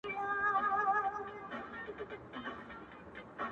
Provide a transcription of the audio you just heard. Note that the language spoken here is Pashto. • ډک جامونه صراحي ده که صهبا دی,